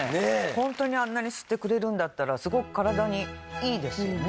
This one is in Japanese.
ホントにあんなに吸ってくれるんだったらすごく体にいいですよね。